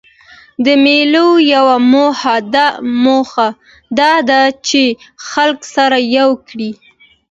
د مېلو یوه موخه دا ده، چي خلک سره یو کي.